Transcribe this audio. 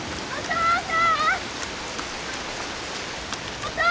お父さん！